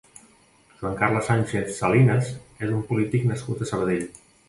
Joan Carles Sánchez Salinas és un polític nascut a Sabadell.